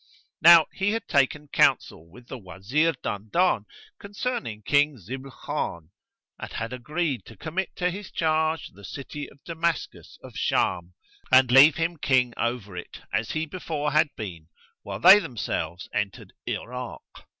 Now he had taken counsel with the Wazir Dandan concerning King Zibl Khan and had agreed to commit to his charge the city of Damascus of Sham and leave him King over it as he before had been while they themselves entered Irak.